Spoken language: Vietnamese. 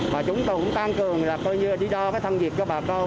và chúng tôi cũng tăng cương là coi như đi đo thân việc cho bà con